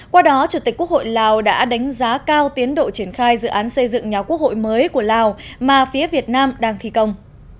qua đó chủ tịch quốc hội lào đã đánh giá cao tiến độ triển khai dự án xây dựng nhà quốc hội mới của lào mà phía việt nam đang thi công